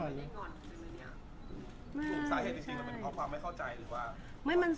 สาเหตุจริงมันเป็นเพราะความไม่เข้าใจหรือว่าไม่มัน